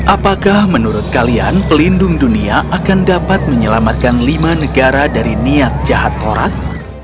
apakah menurut kalian pelindung dunia akan dapat menyelamatkan lima negara dari niat jahat torak